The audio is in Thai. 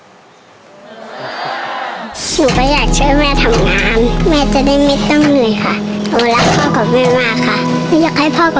หนูก็อยากช่วยแม่ทำงาน